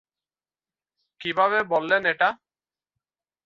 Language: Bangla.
কিভাবে বললেন এটা?